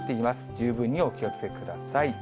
十分にお気をつけください。